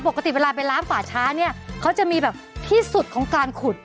ปกติเวลาไปล้างป่าช้าเนี่ยเขาจะมีแบบที่สุดของการขุด